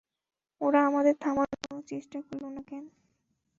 ওরা আমাদের থামানোর কোনো চেষ্টা করলো না কেন?